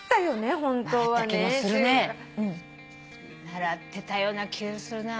習ってたような気がするな。